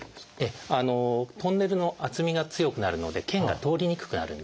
トンネルの厚みが強くなるので腱が通りにくくなるんですね。